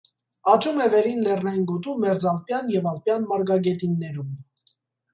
Աճում է վերին լեռնային գոտու մերձալպյան և ալպյան մարգագետիններում։